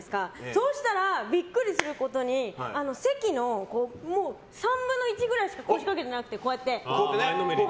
そうしたらビックリすることに席の３分の１ぐらいしか腰かけてなくて。